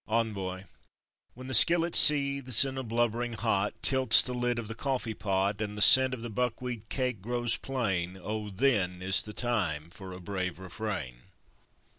'ENVOI. When the skillet seethes, and a blubbering hot Tilts the lid of the coffee pot, And the scent of the buckwheat cake grows plain O then is the time for a brave refrain!